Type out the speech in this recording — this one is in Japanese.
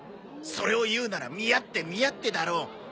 それを言うなら「見合って見合って」だろ。